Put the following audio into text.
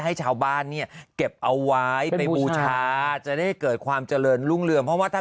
ให้ชาวบ้านเนี่ยเก็บเอาไว้ไปบูชาจะได้เกิดความเจริญรุ่งเรืองเพราะว่าถ้า